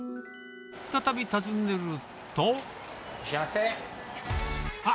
再び訪ねると。